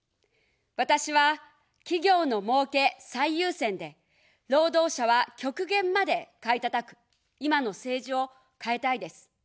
私は、企業のもうけ最優先で、労働者は極限まで買いたたく今の政治を変えたいです。